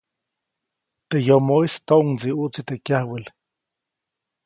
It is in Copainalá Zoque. Teʼ yomoʼis toʼŋdsiʼutsi teʼ kyawel.